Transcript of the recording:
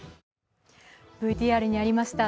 ＶＴＲにありました